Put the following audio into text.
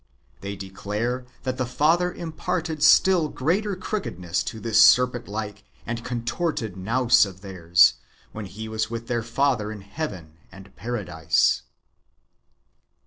They declare that the father imparted ^ still greater crookedness to this serpent like and contorted Nous of theirs, when he was wath their father in heaven and Paradise.